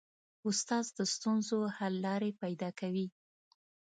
استاد د ستونزو حل لارې پیدا کوي.